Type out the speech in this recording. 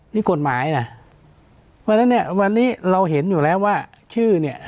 นี่กฎหมายนะเพราะฉะนั้นเนี่ยวันนี้เราเห็นอยู่แล้วว่าชื่อเนี่ย